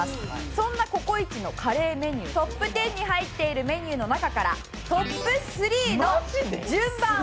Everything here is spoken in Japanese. そんなココイチのカレーメニュートップ１０に入っているメニューの中からトップ３の順番を３連単で当てて頂きます。